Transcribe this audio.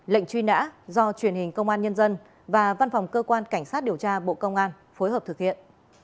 lệnh truy nã do truyền hình công an nhân dân và văn phòng cơ quan cảnh sát điều tra bộ công an phối hợp thực hiện